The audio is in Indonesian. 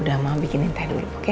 udah ma bikinin teh dulu oke